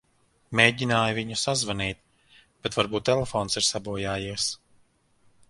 Mēģināju viņu sazvanīt, bet varbūt telefons ir sabojājies.